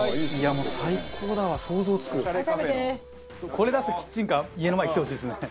これ出すキッチンカー家の前に来てほしいですね。